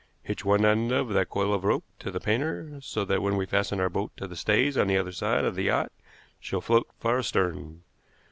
"Hitch one end of that coil of rope to the painter, so that when we fasten our boat to the stays on the other side of the yacht she'll float far astern.